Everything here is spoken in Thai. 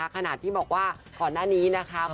กะหน้าที่บอกว่าขอร้านหน้านี้นะคะ